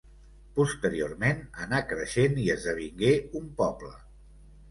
Posteriorment, anà creixent i esdevingué un poble.